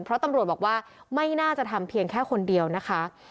เพราะตำรวจบอกว่าไม่น่าจะทำเพียงแค่คนเดียวนะคะ